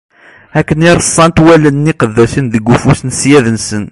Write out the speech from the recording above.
Akken i reṣṣant wallen n iqeddacen deg ufus n ssyadi-nsen.